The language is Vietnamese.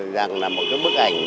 rằng là một cái bức ảnh